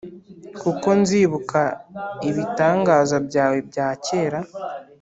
Kuko nzibuka ibitangaza byawe bya kera